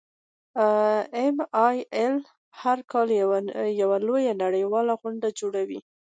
ایم ایل اې هر کال یوه لویه نړیواله غونډه جوړوي.